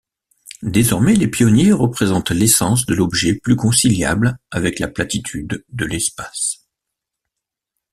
Désormais, les pionniers représentent l'essence de l'objet plus conciliable avec la platitude de l'espace.